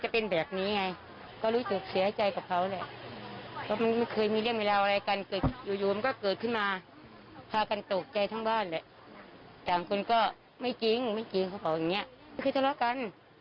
ไปเอาลูกกับหลานช่วยกัน